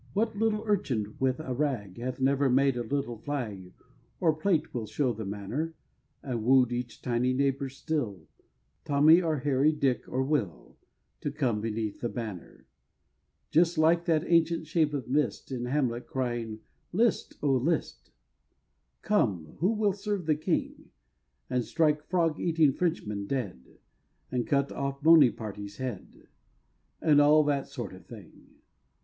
What little urchin with a rag Hath never made a little flag (Our plate will show the manner), And wooed each tiny neighbor still, Tommy or Harry, Dick or Will, To come beneath the banner! Just like that ancient shape of mist, In Hamlet, crying "'List, oh, 'list!" Come, who will serve the king, And strike frog eating Frenchmen dead, And cut off Bonyparty's head? And all that sort of thing.